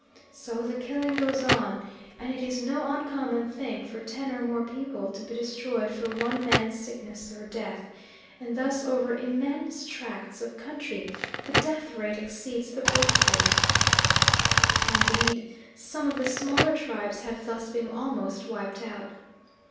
So the killing goes on and it is no uncommon thing for ten or more people to be destroyed for one man's sickness or death; and thus over immense tracts of country the death rate exceeds the birth rate. Indeed some of the smaller tribes have thus been almost wiped out.